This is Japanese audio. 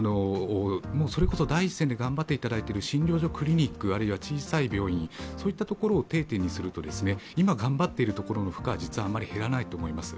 それこそ第一線で頑張っていただいている診療所、クリニック、あるいは小さい病院、そういったところを定点にすると、今頑張っている所は実はあまり減らないと思います。